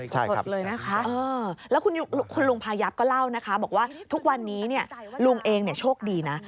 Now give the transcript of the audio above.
ใช่ค่ะคุณลุงพายับก็เล่านะคะบอกว่าทุกวันนี้ลุงเองโชคดีนะ